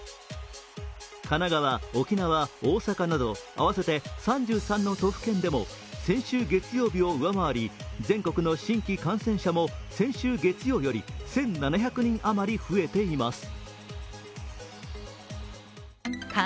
神奈川、沖縄、大阪など合わせて３３の都府県でも先週月曜日を上回り、全国の新規感染者も先週月曜より１７００人余り増えています。